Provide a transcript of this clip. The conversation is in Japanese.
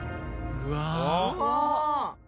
うわ！